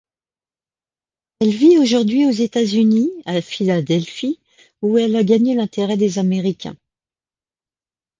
Elle vit aujourd'hui aux États-Unis, à Philadelphie, où elle a gagné l'intérêt des Américains.